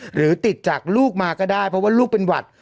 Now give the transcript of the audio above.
หรือติดจากลูกมาก็ได้เพราะว่าลูกเป็นหวัด